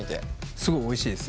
すごいおいしいです。